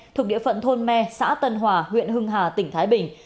thuộc địa phận thôn me xã tân hòa huyện hưng hà tỉnh thái bình